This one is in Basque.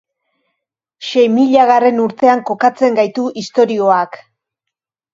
Sei milagarren urtean kokatzen gaitu istorioak.